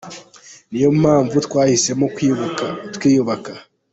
Ni yo mpamvu twahisemo Kwibuka twiyubaka.